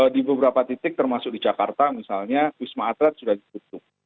di beberapa titik termasuk di jakarta misalnya wisma atlet sudah ditutup